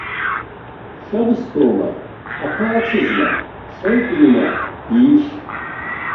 Шьабсҭоума, аԥа ацызма, сеидрума иишь?